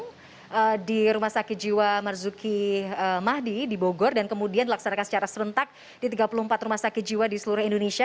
di rumah sakit jiwa marzuki mahdi di bogor dan kemudian dilaksanakan secara serentak di tiga puluh empat rumah sakit jiwa di seluruh indonesia